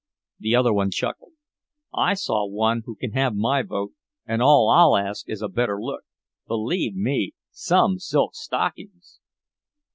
The other one chuckled: "I saw one who can have my vote and all I'll ask is a better look. Believe me, some silk stockings!"